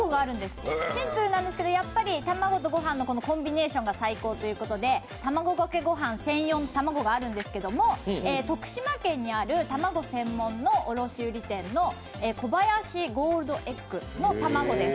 シンプルなんですけどやっぱり卵と御飯の最高ということで、卵かけご飯専用の卵があるんですけれども徳島県にある卵専門の卸売店の小林ゴールドエッグの卵です。